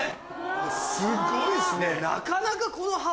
すごいっすね。